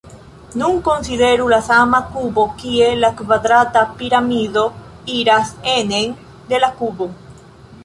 Nun konsideru la sama kubo kie la kvadrata piramido iras enen de la kubo.